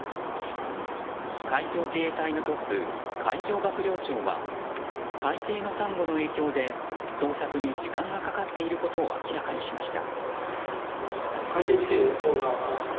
海上自衛隊のトップ海上幕僚長は海底のサンゴの影響で捜索に時間がかかっていることを明らかにしました。